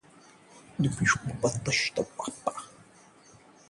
लौट आया बाल्की और बिग बी का डेडली कॉम्बिनेशन